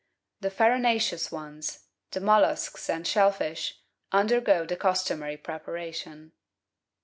The farinaceous ones, the molluscs and shell fish, undergo the customary preparation.